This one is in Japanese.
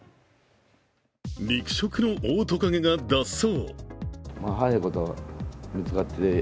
肉食のオオトカゲが脱走。